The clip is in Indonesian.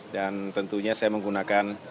dan tentunya saya menggunakan